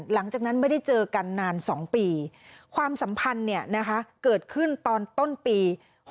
หลังจากนั้นไม่ได้เจอกันนาน๒ปีความสัมพันธ์เกิดขึ้นตอนต้นปี๖๖